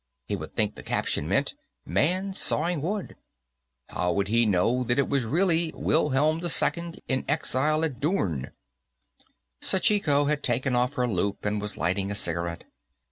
He would think the caption meant, 'Man Sawing Wood.' How would he know that it was really 'Wilhelm II in Exile at Doorn?'" Sachiko had taken off her loup and was lighting a cigarette.